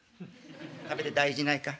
食べて大事ないか？